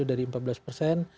dari empat belas persen